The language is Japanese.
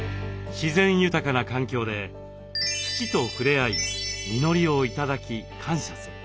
自然豊かな環境で土と触れ合い実りを頂き感謝する。